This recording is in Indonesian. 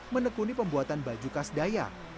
menekuni pembuatan baju khas dayak